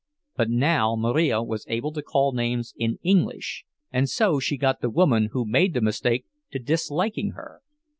But now Marija was able to call names in English, and so she got the woman who made the mistake to disliking her.